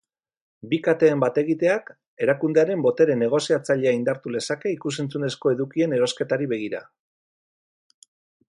Bi kateen bat egiteak erakundearen botere negoziatzailea indartu lezake ikus-entzunezko edukien erosketari begira.